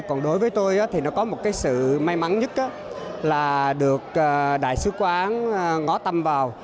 còn đối với tôi thì nó có một cái sự may mắn nhất là được đại sứ quán ngó tâm vào